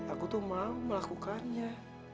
aku tuh mau melakukannya